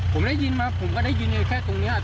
ผมได้ยินมาผมก็ได้ยินแค่ตรงนี้